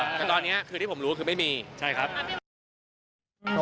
เออแต่ตอนนี้ที่ผมรู้คือไม่มี